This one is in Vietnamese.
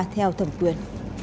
giao thẩm quyền